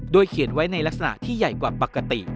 เขียนไว้ในลักษณะที่ใหญ่กว่าปกติ